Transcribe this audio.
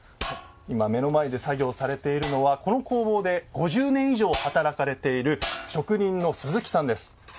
今目の前で作業されているのはこの工房で５０年以上働かれている職人の鈴木さんです。